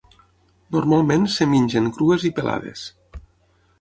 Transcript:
Normalment es mengen crues i pelades.